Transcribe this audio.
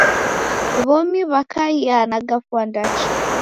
W'omi w'akaia na gafwa ndacha.